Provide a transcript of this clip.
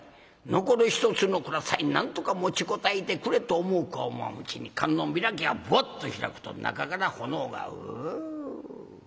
残る１つの蔵さえなんとか持ちこたえてくれと思うか思わんうちに観音開きがボッと開くと中から炎がウウ。